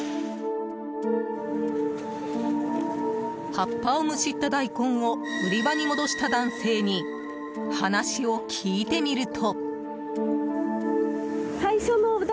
葉っぱをむしった大根を売り場に戻した男性に話を聞いてみると。